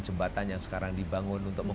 jembatan yang sekarang dibangun untuk